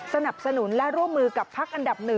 สนับสนุนและร่วมมือกับพักอันดับ๑